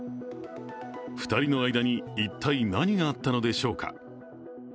２人の間に一体何があったのでしょうか。